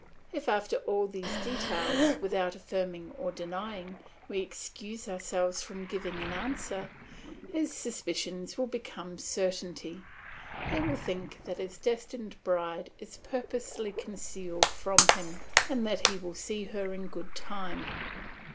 If after all these details, without affirming or denying, we excuse ourselves from giving an answer, his suspicions will become certainty; he will think that his destined bride is purposely concealed from him, and that he will see her in good time.